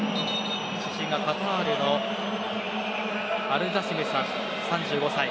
主審がカタールのアルジャシムさん、３５歳。